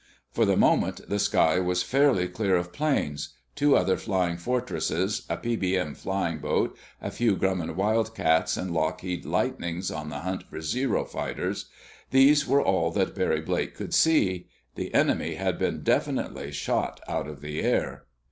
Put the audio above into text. For the moment, the sky was fairly clear of planes. Two other Flying Fortresses, a PBM flying boat, a few Grumman Wildcats and Lockheed Lightnings on the hunt for Zero fighters—these were all that Barry Blake could see. The enemy had been definitely shot out of the air.